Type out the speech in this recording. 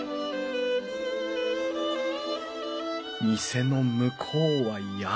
店の向こうは山。